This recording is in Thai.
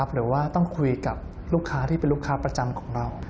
หรือว่าต้องคุยกับลูกค้าที่เป็นลูกค้าประจำของเรา